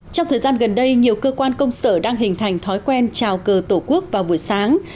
trong thời gian gần đây nhiều cơ quan công sở đang hình thành thói quen trào cờ tổ quốc vào buổi sáng